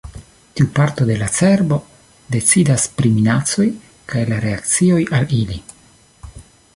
Tiu parto de la cerbo decidas pri minacoj kaj la reakcioj al ili.